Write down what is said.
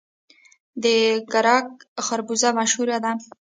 د ګرګک خربوزه مشهوره ده.